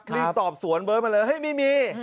มีตอบสวนเบิร์ดมาเลย